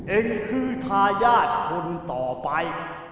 เองคือทายาทคนต่อไป